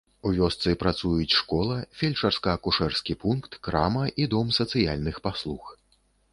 У вёсцы працуюць школа, фельчарска-акушэрскі пункт, крама і дом сацыяльных паслуг.